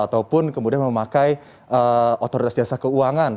ataupun kemudian memakai otoritas jasa keuangan